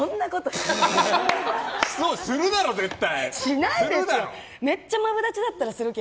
するだろ、絶対！